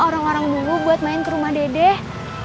orang orang dulu buat main ke rumah dedek